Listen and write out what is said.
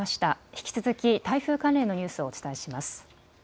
引き続き台風関連のニュースをお伝えします。